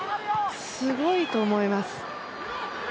すごいと思います。